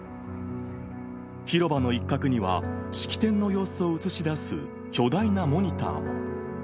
広場の一角には、式典の様子を映し出す巨大なモニターも。